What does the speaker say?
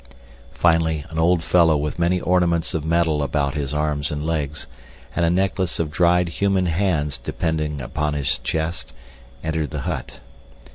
Finally an old fellow with many ornaments of metal about his arms and legs, and a necklace of dried human hands depending upon his chest, entered the hut.